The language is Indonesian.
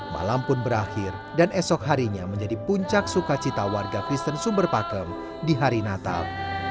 malam pun berakhir dan esok harinya menjadi puncak sukacita warga kristen sumber pakem di hari natal